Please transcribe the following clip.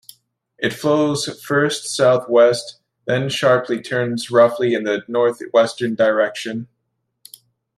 It flows first south-west, then sharply turns roughly in the north-western direction.